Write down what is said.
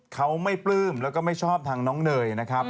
เขาไม่ปลื้มแล้วก็ไม่ชอบทางน้องเนยนะครับ